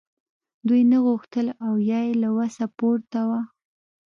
دوی نه غوښتل او یا یې له وسه پورته وه